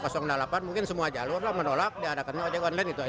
semua jalur menolak diadakannya ojek online itu saja